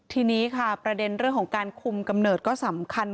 ทีนี้ค่ะประเด็นเรื่องของการคุมกำเนิดก็สำคัญ